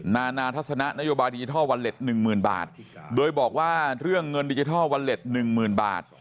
นาธรรณะนโยบาลดิจิทอลวัลเล็ต๑๐๐๐๐บาทโดยบอกว่าเงินดิจิทอลวัลเล็ต๑๐๐๐๐บาท